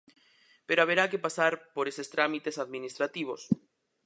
Pero haberá que pasar por eses trámites administrativos.